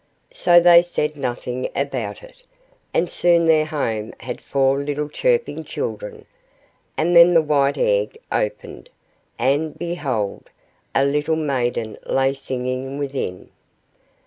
So they said nothing about it, and soon their home had four little chirping children; and then the white egg opened, and, behold, a little maiden lay singing within.